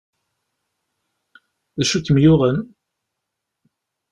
D acu i kem yuɣen?